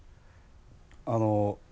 あの。